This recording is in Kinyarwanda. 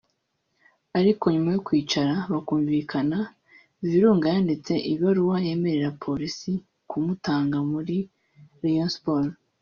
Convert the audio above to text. ariko nyuma yo kwicara bakumvikana Virunga yanditse ibaruwa yemerera Police kumutanga muri Rayon Sports